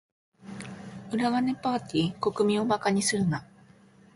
裏金パーティ？国民を馬鹿にするな。